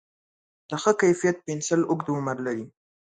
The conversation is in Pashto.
د ښه کیفیت پنسل اوږد عمر لري.